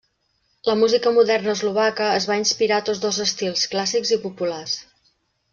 La música moderna eslovaca es va inspirar a tots dos estils clàssics i populars.